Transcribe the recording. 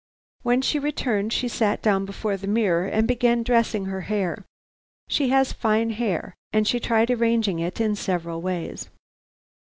When she returned she sat down before the mirror and began dressing her hair. She has fine hair, and she tried arranging it in several ways.